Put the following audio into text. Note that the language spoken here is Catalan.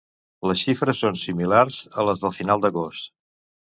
Les xifres són similars a les de final d’agost.